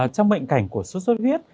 trong bệnh cảnh của suất huyết